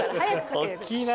大っきいな。